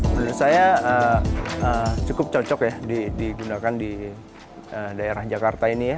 menurut saya cukup cocok ya digunakan di daerah jakarta ini ya